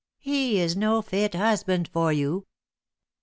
"He is no fit husband for you!"